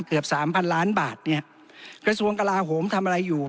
เกือบสามพันล้านบาทเนี่ยกระทรวงกลาโหมทำอะไรอยู่